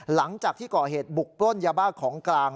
หลังจากที่ก่อเหตุบุกปล้นยาบ้าของกลาง